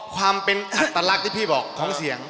ความเป็นอัตลักษณ์ที่พี่บอกของเสียง